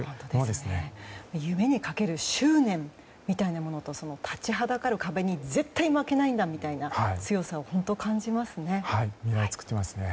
夢にかける執念みたいなものと立ちはだかる壁に絶対に負けないんだという強さを感じますね。